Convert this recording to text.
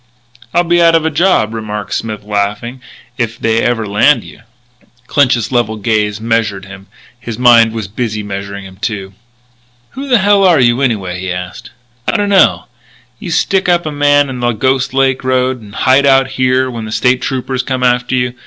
"I'll be out of a job," remarked Smith, laughing, "if they ever land you." Clinch's level gaze measured him; his mind was busy measuring him, too. "Who the hell are you, anyway?" he asked. "I don't know. You stick up a man on the Ghost Lake Road and hide out here when the State Troopers come after you.